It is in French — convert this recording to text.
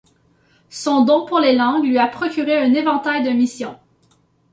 Son don pour les langues lui a procuré un éventail de missions.